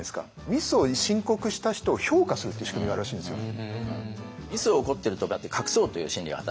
ミスを申告した人を評価するっていう仕組みがあるらしいんですよ。